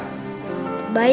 gak expectasi abdul